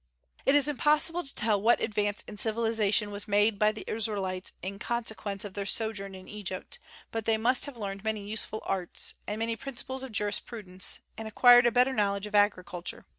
It is impossible to tell what advance in civilization was made by the Israelites in consequence of their sojourn in Egypt; but they must have learned many useful arts, and many principles of jurisprudence, and acquired a better knowledge of agriculture.